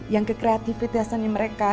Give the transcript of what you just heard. yang kekreatifitasnya mereka